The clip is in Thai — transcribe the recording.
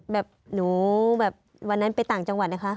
แบบหนูแบบวันนั้นไปต่างจังหวัดนะคะ